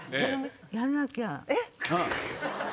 「やらなきゃ」！